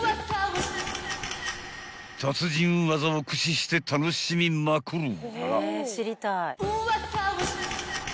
［達人技を駆使して楽しみまくる］